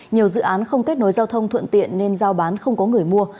nhiều dự án không kết nối giao thông thuận tiện nên giao bán không có người mua